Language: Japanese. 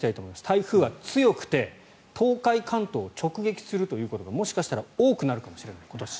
台風は強くて東海・関東を直撃するということがもしかしたら多くなるかもしれない、今年。